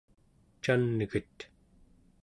can'get